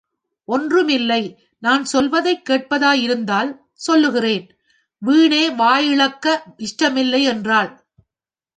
ஒன்றுமில்லை நான் சொல்வதைக்கேட்பதாயிருந்தால், சொல்லுகிறேன், வீணே வாயிழக்க இஷ்டமில்லை என்றாள்.